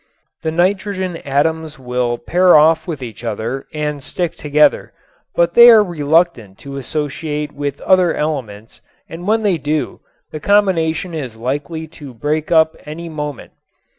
The nitrogen atoms will pair off with each other and stick together, but they are reluctant to associate with other elements and when they do the combination is likely to break up any moment.